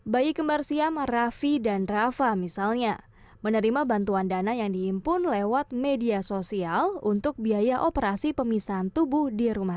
bayi kemarsiam rafi dan rafa misalnya menerima bantuan dana yang diimpun lewat media sosial untuk biaya operasi pemisahan tubuh